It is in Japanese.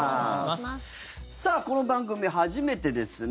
この番組初めてですね